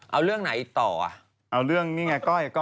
เอาเรื่องไหนต่อเอาเรื่องมีไง